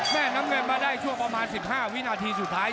น้ำเงินมาได้ช่วงประมาณ๑๕วินาทีสุดท้าย